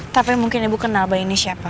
tapi mungkin ibu kenal bayi ini siapa